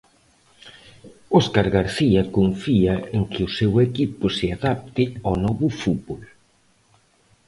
Óscar García confía en que o seu equipo se adapte ao novo fútbol.